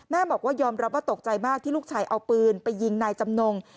บอกว่ายอมรับว่าตกใจมากที่ลูกชายเอาปืนไปยิงนายจำนง